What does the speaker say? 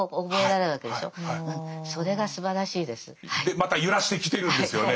また揺らしてきてるんですよね。